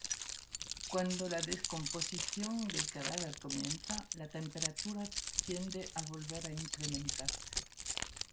Cuando la descomposición del cadáver comienza, la temperatura tiende a volver a incrementarse.